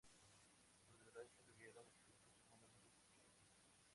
Por desgracia, la guerra modifica profundamente sus proyectos.